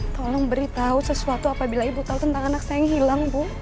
tolong beritahu sesuatu apabila ibu tahu tentang anak saya yang hilang bu